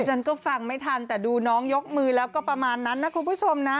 ฉันก็ฟังไม่ทันแต่ดูน้องยกมือแล้วก็ประมาณนั้นนะคุณผู้ชมนะ